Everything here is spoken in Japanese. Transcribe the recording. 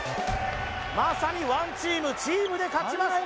まさにワンチームチームで勝ちます